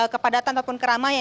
kepadatan ataupun keramatan